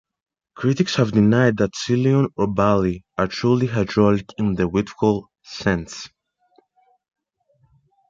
Critics have denied that Ceylon or Bali are truly hydraulic in the Wittfogel sense.